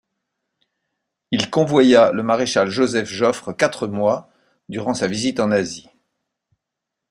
Il convoya le maréchal Joseph Joffre quatre mois durant sa visite en Asie.